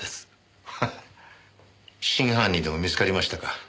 ハハ真犯人でも見つかりましたか？